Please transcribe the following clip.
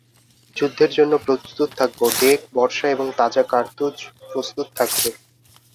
যুদ্ধের জন্য প্রস্তুত থাকবো, ডেক, বর্শা এবং তাজা কার্তুজ প্রস্তুত থাকবে।